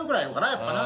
やっぱな。